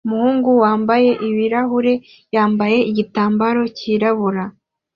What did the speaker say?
Umugore wambaye ibirahuri yambaye igitambaro cyirabura